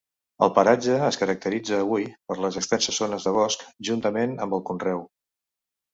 El paratge es caracteritza avui per les extenses zones de bosc juntament amb el conreu.